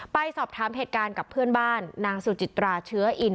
ไปสอบถามเหตุการณ์กับเพื่อนบ้านนางสุจิตราเชื้ออิน